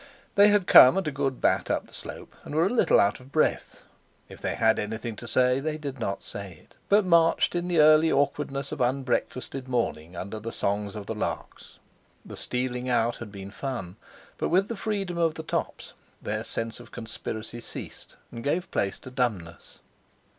They had come at a good bat up the slope and were a little out of breath; if they had anything to say they did not say it, but marched in the early awkwardness of unbreakfasted morning under the songs of the larks. The stealing out had been fun, but with the freedom of the tops the sense of conspiracy ceased, and gave place to dumbness.